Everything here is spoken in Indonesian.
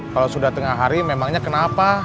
kalau sudah tengah hari memangnya kenapa